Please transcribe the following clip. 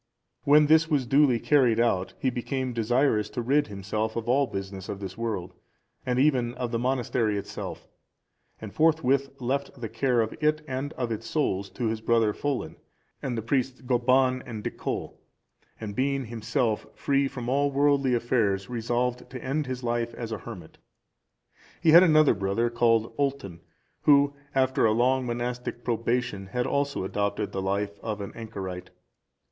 (387) When this was duly carried out, he became desirous to rid himself of all business of this world, and even of the monastery itself, and forthwith left the care of it and of its souls, to his brother Fullan, and the priests Gobban and Dicull,(388) and being himself free from all worldly affairs, resolved to end his life as a hermit. He had another brother called Ultan, who, after a long monastic probation, had also adopted the life of an anchorite.